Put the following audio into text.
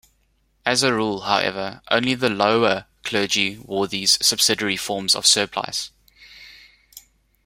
As a rule, however, only the lower clergy wore these subsidiary forms of surplice.